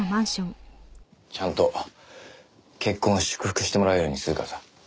ちゃんと結婚を祝福してもらえるようにするからさ。